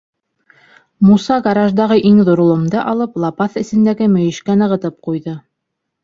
Муса гараждағы иң ҙур ломды алып лапаҫ эсендәге мөйөшкә нығытып ҡуйҙы.